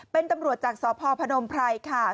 เป็นตำรวจจากสพพนมไพรค่ะ